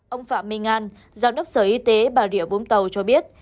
ông phạm minh an giám đốc sở y tế bà rịa vũng tàu cho biết